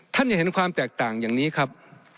ท่านจะเห็นความแตกต่างอย่างนี้ครับ